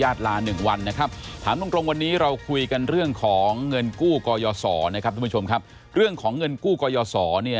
ยาท่าน้ำขาวไทยนครเพราะทุกการเดินทางของคุณจะมีแต่รอยยิ้ม